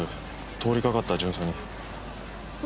通りかかった巡査に。